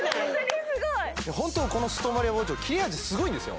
ホントこのスーパーストーンバリア包丁切れ味すごいんですよ